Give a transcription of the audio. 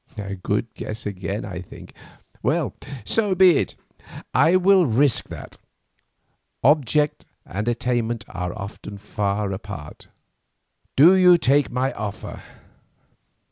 A good guess again, I think. Well, so be it, I will risk that; object and attainment are often far apart. Do you take my offer?"